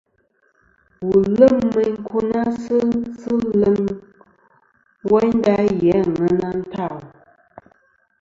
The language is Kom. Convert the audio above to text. Wù lem meyn nkunasɨ sɨ na leŋ woynda ghì a aŋena ntal.